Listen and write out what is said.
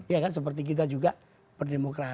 ya kan seperti kita juga berdemokrasi